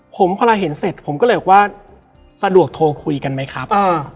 ผมพอเราเห็นเสร็จผมก็เลยบอกว่าสะดวกโทรคุยกันไหมครับ